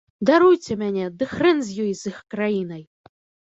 Даруйце мяне, ды хрэн з ёй, з іх краінай!